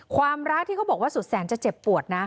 ความรักที่เขาบอกว่าสุดแสนจะเจ็บปวดนะ